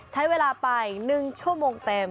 ใช้เวลาไป๑ชั่วโมงเต็ม